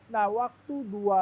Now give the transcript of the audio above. nah waktu dua ribu empat belas